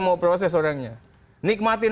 mau proses orangnya nikmatin